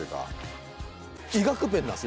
医学便なんです